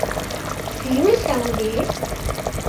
Ziur zaude?